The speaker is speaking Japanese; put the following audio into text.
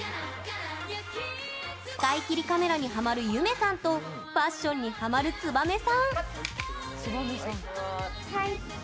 使い切りカメラにハマるゆめさんとファッションにハマるつばめさん。